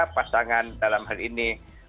pasangan dalam hal ini